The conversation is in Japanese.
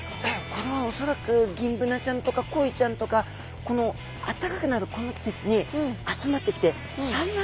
これはおそらくギンブナちゃんとかコイちゃんとかこのあったかくなるこの季節に集まってきて産卵。